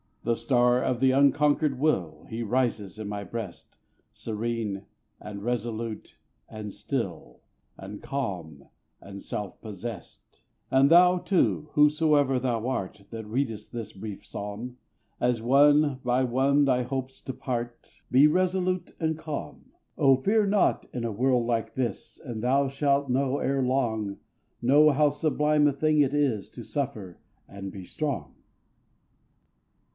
The star of the unconquered will, He rises in my breast, Serene, and resolute, and still, And calm, and self possessed. And thou, too, whosoe'er thou art, That readest this brief psalm, As one by one thy hopes depart, Be resolute and calm. Oh, fear not in a world like this, And thou shalt know ere long, Know how sublime a thing it is To suffer and be strong.